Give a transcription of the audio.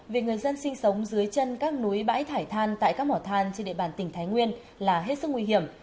việc người dân sinh sống dưới chân các núi bãi thải than tại các mỏ than trên địa bàn tỉnh thái nguyên là hết sức nguy hiểm